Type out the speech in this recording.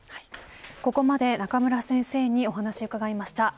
ここまで中村先生にお話を伺いました。